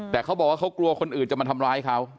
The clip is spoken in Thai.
แต่เขาบอกว่าเขากลัวคนอื่นจะมาทำร้ายเขา